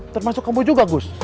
termasuk kamu juga gus